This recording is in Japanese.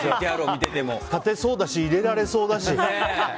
勝てそうだし入れられそうだし。